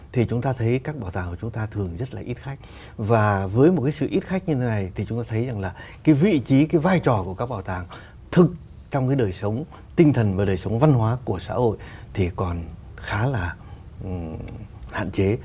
thì chúng ta thấy rằng là cái vị trí cái vai trò của các bảo tàng thực trong cái đời sống tinh thần và đời sống văn hóa của xã hội thì còn khá là hạn chế